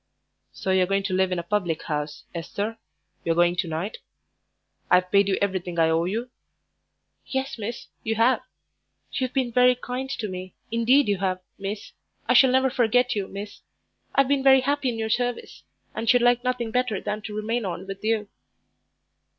"So you're going to live in a public house, Esther? You're going to night? I've paid you everything I owe you?" "Yes, miss, you have; you've been very kind to me, indeed you have, miss I shall never forget you, miss. I've been very happy in your service, and should like nothing better than to remain on with you."